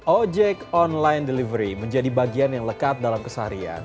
ojek online delivery menjadi bagian yang lekat dalam keseharian